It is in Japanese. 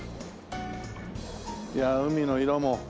いやあ海の色も。